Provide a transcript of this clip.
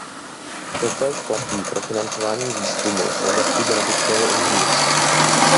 Totéž platí pro financování výzkumu v oblasti genetického inženýrství.